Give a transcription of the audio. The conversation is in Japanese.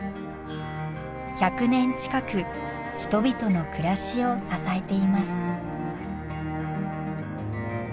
１００年近く人々の暮らしを支えています。